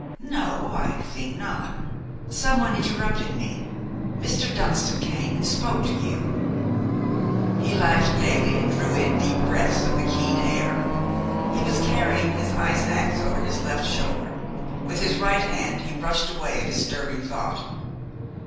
"No, I think not. Someone interrupted me. Mr. Dunston came and spoke to you " He laughed gayly and drew in deep breaths of the keen air. He was carrying his ice ax over his left shoulder. With his right hand he brushed away a disturbing thought.